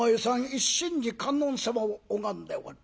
一心に観音様を拝んでおる。